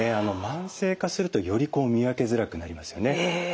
慢性化するとより見分けづらくなりますよね。